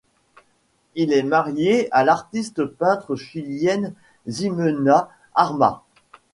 Il est marié à l'artiste peintre chilienne Ximena Armas.